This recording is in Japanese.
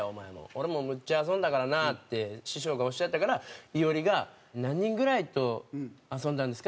「俺もめっちゃ遊んだからな」って師匠がおっしゃったから伊織が「何人ぐらいと遊んだんですか？」